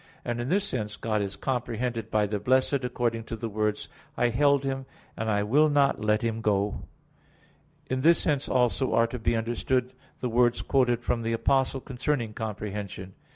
And in this sense God is comprehended by the blessed, according to the words, "I held him, and I will not let him go" (Cant. 3:4); in this sense also are to be understood the words quoted from the Apostle concerning comprehension.